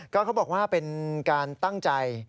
ก็เขาบอกว่าเป็นการตั้งใจ